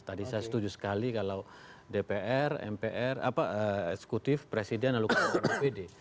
tadi saya setuju sekali kalau dpr mpr eksekutif presiden lalu ketua dpd